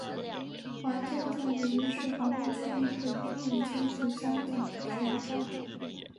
怀特在纽约市皇后区一个工人阶级家庭成长。